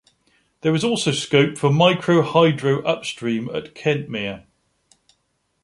There is also scope for micro hydro upstream at Kentmere.